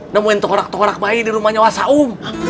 namun tukarak tukarak bayi di rumah nyewa saum